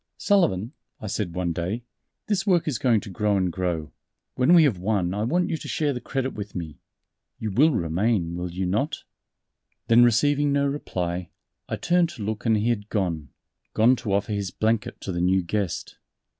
"Sullivan," I said one day, "this work is going to grow and grow.... When we have won I want you to share the credit with me you will remain, will you not?" Then receiving no reply, I turned to look and he had gone gone to offer his blanket to the new guest.